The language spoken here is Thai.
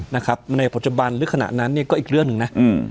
ในปัจจุบันหรือขณะนั้นเนี่ยก็อีกเรื่องหนึ่งนะ